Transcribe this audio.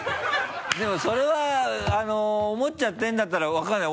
でもそれは思っちゃってるんだったら分からない。